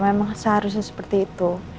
memang seharusnya seperti itu